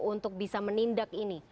untuk bisa menindak ini